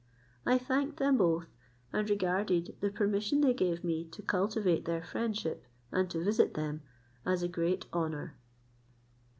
I thanked them both, and regarded the permission they gave me to cultivate their friendship, and to visit them, as a great honour.